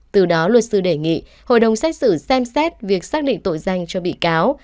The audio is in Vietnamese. từ đó luật sư đề nghị hội đồng xét xử xem xét việc xác định tội danh cho bị cáo